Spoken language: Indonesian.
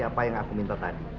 apa yang aku minta tadi